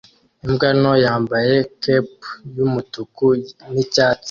Imbwa nto yambaye cape yumutuku nicyatsi